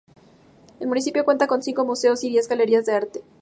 El municipio cuenta con cinco museos y diez galerías de arte.